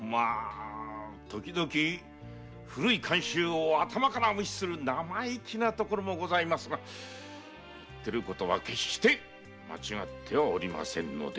時々古い慣習を頭から無視する生意気なところもございますが言っていることは決して間違ってはおりませんので。